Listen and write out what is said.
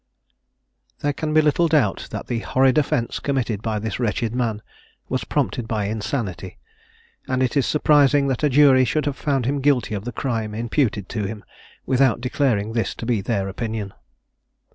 There can be little doubt that the horrid offence committed by this wretched man was prompted by insanity; and it is surprising that a jury should have found him guilty of the crime imputed to him, without declaring this to be their opinion.